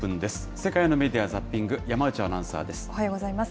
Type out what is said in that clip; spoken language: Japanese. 世界のメディアザッピング、山内アナウンサーです。